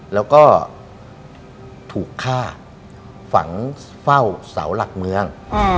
แล้วก็ถูกฆ่าฝังเฝ้าเสาหลักเมือง